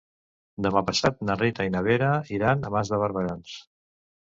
Demà passat na Rita i na Vera iran a Mas de Barberans.